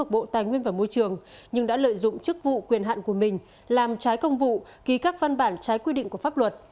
bộ tài nguyên và môi trường nhưng đã lợi dụng chức vụ quyền hạn của mình làm trái công vụ ký các văn bản trái quy định của pháp luật